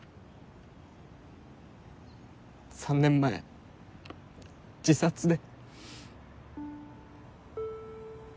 ３年前自殺で。